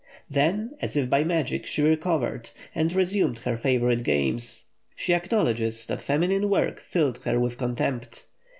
Then, as if by magic, she recovered, and resumed her favourite games. She acknowledges that feminine work filled her with contempt.